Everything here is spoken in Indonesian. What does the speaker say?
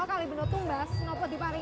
oh di kalibenda tumba apa di paringi